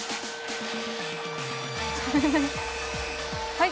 はい！